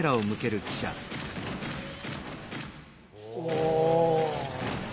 お！